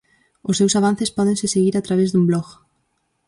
Os seus avances pódense seguir a través dun blog.